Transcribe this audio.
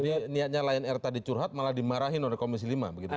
jadi niatnya lion air tadi curhat malah dimarahin oleh komisi lima